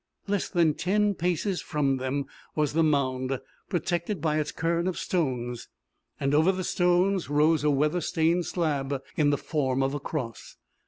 Less than ten paces from them was the mound, protected by its cairn of stones; and over the stones rose a weather stained slab in the form of a cross.